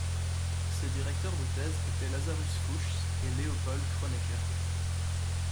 Ses directeurs de thèse étaient Lazarus Fuchs et Leopold Kronecker.